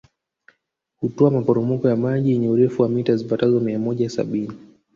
Hutoa maporomoko ya maji yenye urefu wa mita zipatazo mia moja sabini